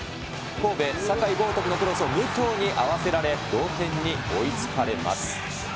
神戸、酒井高徳のクロスを武藤に合わせられ、同点に追いつかれます。